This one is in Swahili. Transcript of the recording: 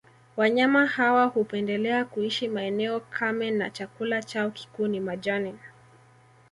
Wanyama hawa hupendelea kuishi maeneo kame na chakula chao kikuu ni majani